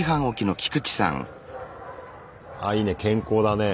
あいいね健康だね。